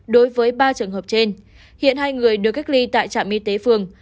đối với ba trường hợp trên hiện hai người được cách ly tại trạm y tế phường